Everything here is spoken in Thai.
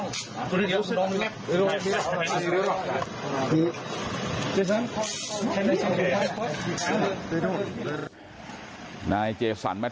กลุ่มตัวเชียงใหม่